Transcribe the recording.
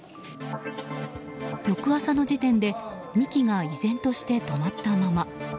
翌朝の時点で２基が依然として止まったまま。